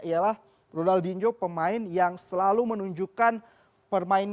ialah ronaldinho pemain yang selalu menunjukkan permainan